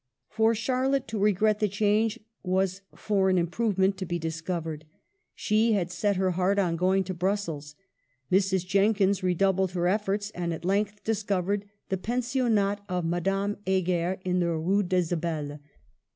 For Charlotte to regret the change was for an improvement to be discovered. She had set her heart on going to Brussels ; Mrs. Jenkins re doubled her efforts and at length discovered the Pensionnat of Madame Heger in the Rue d'lsa belle.